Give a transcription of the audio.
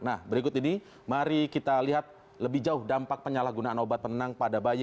nah berikut ini mari kita lihat lebih jauh dampak penyalahgunaan obat penenang pada bayi